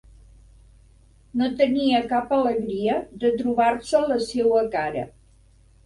No tenia cap alegria de trobar-se la seua cara.